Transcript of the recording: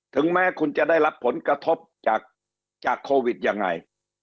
ถึงแม้คุณจะได้รับผลกระทบจากโควิดยังไง